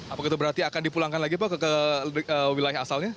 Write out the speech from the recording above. apa itu berarti akan dipulangkan lagi ke wilayah asalnya